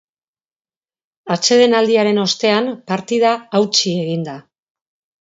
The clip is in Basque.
Atsedenaldiaren ostean, partida hautsi egin da.